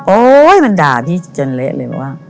โอ๊ยมันด่าพี่จนเละเลยว่า